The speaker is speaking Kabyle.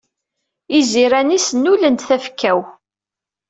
Iziran-is nnulen-d tafekka-w.